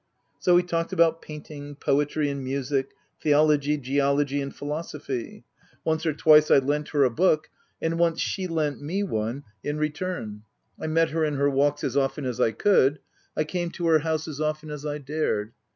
So we talked about painting, poetry, and music, theology, geology, and philosophy : once or twice I lent her a book, and once she lent me one in return : I met her in her walks a,s often as I could ; I came to her house as often as I dared.